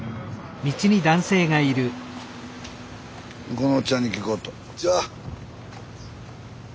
このおっちゃんに聞こうと。